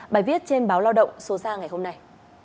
bài viết trên báo lao động số ra ngày hôm nay